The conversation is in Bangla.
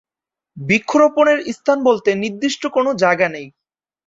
বৃক্ষরোপণের স্থান বলতে নির্দিষ্ট কোনো জায়গা নেই।